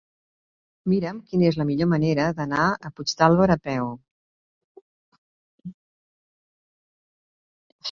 Mira'm quina és la millor manera d'anar a Puigdàlber a peu.